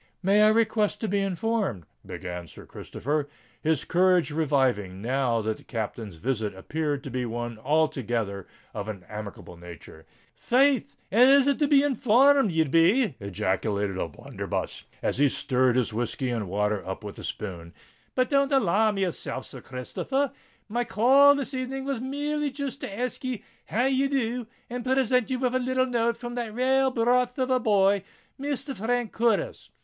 "May I request to be informed——" began Sir Christopher, his courage reviving now that the Captain's visit appeared to be one altogether of an amicable nature. "Faith! and is it to be informed ye'd be?" ejaculated O'Blunderbuss, as he stirred his whiskey and water up with the spoon. "But don't alarm yourself, Sir Christopher r: my call this evening was merely jist to ask ye how ye do and present ye with a little note from that rale broth of a boy, Misther Frank Curtis."